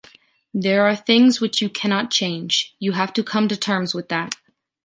There are things which you cannot change, you have to come to terms with that.